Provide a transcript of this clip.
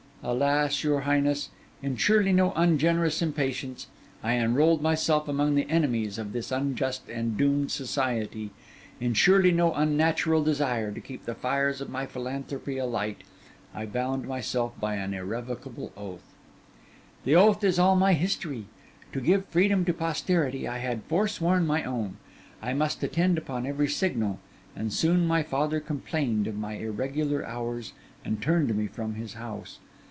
Alas, your highness, in surely no ungenerous impatience I enrolled myself among the enemies of this unjust and doomed society; in surely no unnatural desire to keep the fires of my philanthropy alight, I bound myself by an irrevocable oath. 'That oath is all my history. To give freedom to posterity I had forsworn my own. I must attend upon every signal; and soon my father complained of my irregular hours and turned me from his house.